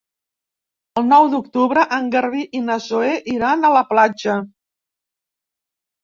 El nou d'octubre en Garbí i na Zoè iran a la platja.